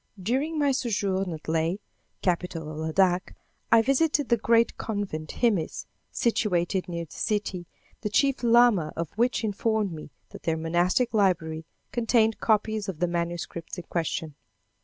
During my sojourn at Leh, capital of Ladak, I visited the great convent Himis, situated near the city, the chief lama of which informed me that their monastic library contained copies of the manuscripts in question.